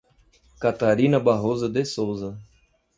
Catarina Barroso de Souza